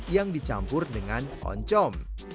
yang dicampur dengan oncom